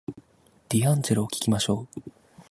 ディアンジェロを聞きましょう